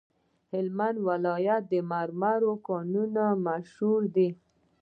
د هلمند ولایت د مرمرو کانونه مشهور دي؟